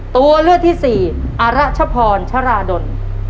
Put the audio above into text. ตัวเลือกที่สี่อรัชพรชราดล